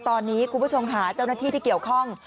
ตอนนี้กุประชงหาเจ้าหน้าที่ที่เกี่ยวข้อง